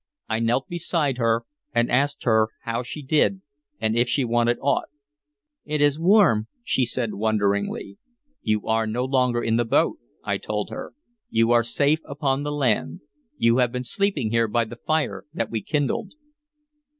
I knelt beside her, and asked her how she did and if she wanted aught. "It is warm," she said wonderingly. "You are no longer in the boat," I told her. "You are safe upon the land. You have been sleeping here by the fire that we kindled."